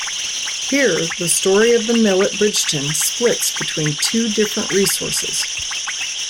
Here the story of the mill at Bridgeton splits between two different resources.